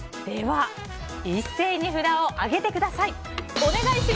では一斉に札を挙げてください。